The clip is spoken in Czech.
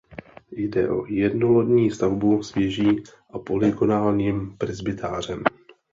Jde o jednolodní stavbu s věží a polygonálním presbytářem.